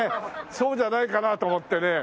そうじゃないかなと思ってね。